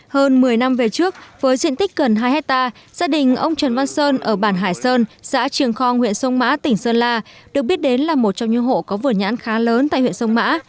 hơn một mươi năm về trước với diện tích gần hai hectare gia đình ông trần văn sơn ở bản hải sơn xã trường khong huyện sông mã tỉnh sơn la được biết đến là một trong những hộ có vườn nhãn khá lớn tại huyện sông mã